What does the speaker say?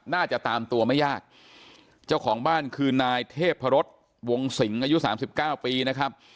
น่าจะตามตัวไม่ยากเจ้าของบ้านคือนายเทพรสวงสิงอายุสามสิบเก้าปีนะครับ